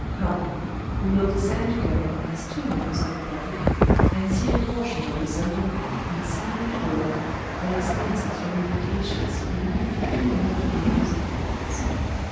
Come ! we will descend together as two members of the public, and see a portion of this undei]ground and silent world that extends its ramifications beneath two hundred acres of Paris.